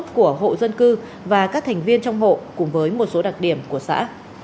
các thông tin được thu thập trong khảo sát mức sống dân cư và các thành viên trong hộ cùng với một số đặc điểm của xã